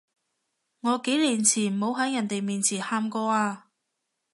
我幾多年冇喺人哋面前喊過啊